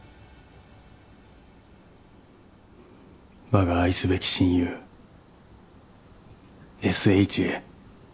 わが愛すべき親友Ｓ・Ｈへ。